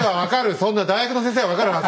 そんな大学の先生は分かるはず！